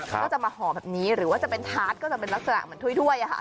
ก็จะมาห่อแบบนี้หรือว่าจะเป็นทาสก็จะเป็นลักษณะเหมือนถ้วย